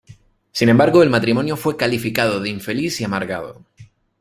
Sin embargo, el matrimonio fue calificado de infeliz y amargado.